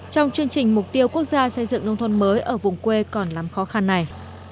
trong chương trình mục tiêu quốc gia xây dựng nông thôn mới ở vùng quê còn lắm khó khăn này